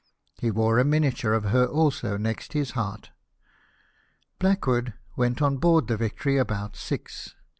He wore a miniature of her also next his heart. Blackwood went on board the Victory about six.